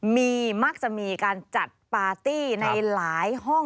มีมักจะมีการจัดปาร์ตี้ในหลายห้อง